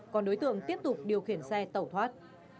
còn đối tượng tiếp tục điều khiển xe tẩu thoát